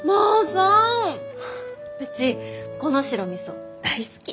うちこの白みそ大好き。